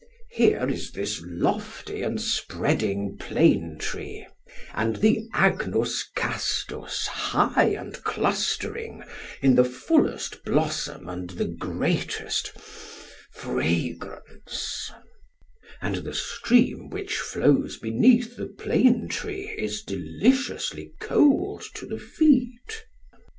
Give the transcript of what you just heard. Here is this lofty and spreading plane tree, and the agnus castus high and clustering, in the fullest blossom and the greatest fragrance; and the stream which flows beneath the plane tree is deliciously cold to the feet.